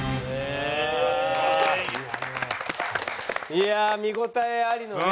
いやあ見応えありのね。